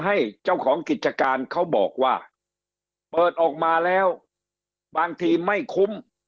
ให้เจ้าของกิจการเขาบอกว่าเปิดออกมาแล้วบางทีไม่คุ้ม